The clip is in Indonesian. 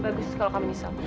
bagus kalau kamu menyesal